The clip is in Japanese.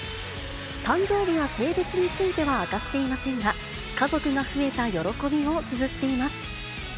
誕生日や性別については明かしていませんが、家族が増えた喜びをつづっています。